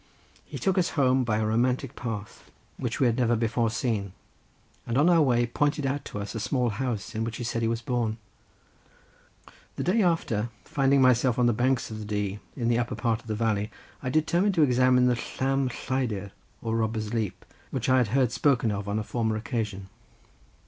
He took us home by a romantic path which we had never before seen, and on our way pointed out to us a small house in which he said he was born. The day after, finding myself on the banks of the Dee in the upper part of the valley, I determined to examine the Llam Lleidyr or Robber's Leap, which I had heard spoken of on a former occasion.